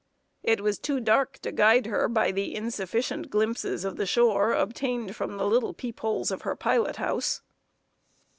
It was too dark to guide her by the insufficient glimpses of the shore obtained from the little peep holes of her pilot house.